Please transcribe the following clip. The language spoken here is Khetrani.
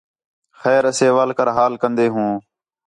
خیر اسے ول کر حال کندے ہوں